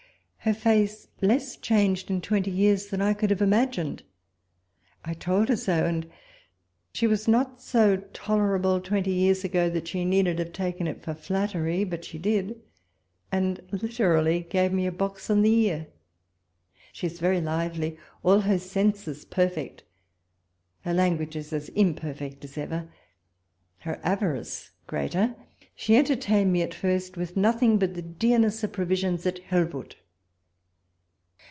Her face less changed in twenty years than I could have imagined ; I told her so, and she was not so tolerable twenty years ago that she needed have taken it for flattery, but she did, and literally gave me a box on the ear. She is very lively, all her senses perfect, her languages as imperfect as ever, her avarice greater. She entertained me at first with nothing but the dearness of provisions at Helvoet.